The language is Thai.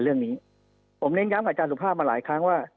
เรื่องนี้ผมเน้นย้ำอาจารย์สุภาพมาหลายครั้งว่า